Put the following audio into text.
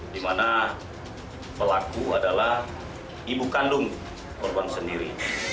di mana pelaku adalah ibu kandung korban sendiri